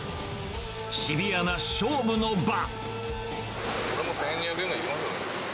シビアな勝負の場。